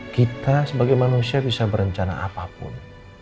kita sebagai manusia bisa berencana apapun